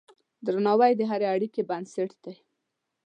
درناوی د هرې اړیکې بنسټ دی.